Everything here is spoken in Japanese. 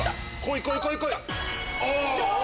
こいこいこい！